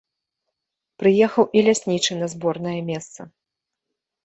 Прыехаў і ляснічы на зборнае месца.